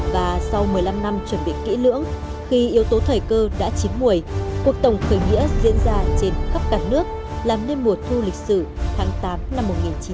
và sau một mươi năm năm chuẩn bị kỹ lưỡng khi yếu tố thời cơ đã chín mùi cuộc tổng khởi nghĩa diễn ra trên khắp cả nước làm nên mùa thu lịch sử tháng tám năm một nghìn chín trăm bảy mươi năm